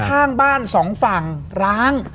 ข้างบ้านสองฝั่งร้าง